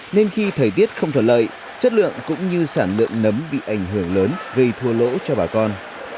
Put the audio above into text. nên khi thời tiết không thuận lợi chất lượng cũng như sản lượng nấm bị ảnh hưởng lớn gây thua lỗ cho bà con